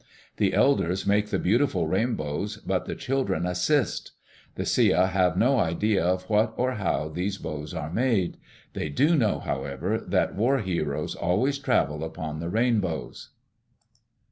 The elders make the beautiful rainbows, but the children assist. The Sia have no idea of what or how these bows are made. They do know, however, that war heroes always travel upon the rainbows.